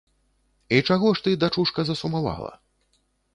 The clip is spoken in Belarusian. І чаго ж ты, дачушка, засумавала?